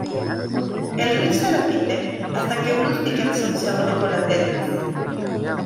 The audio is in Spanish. El riff se repite hasta que Bruce Dickinson se une con las letras.